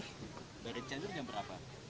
dari cianjur jam berapa